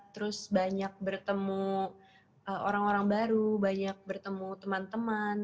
terus banyak bertemu orang orang baru banyak bertemu teman teman